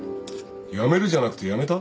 辞めるじゃなくて辞めた？